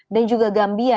dan juga gambia